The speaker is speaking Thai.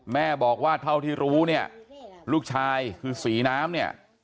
แม่บอกว่าเท่าที่รู้เนี่ยลูกชายคือศรีน้ำเนี่ย